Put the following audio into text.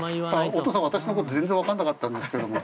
お父さん、私のこと全然分からなかったんですけども。